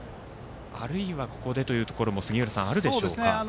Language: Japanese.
あるいは、ここでというところも杉浦さん、あるでしょうか？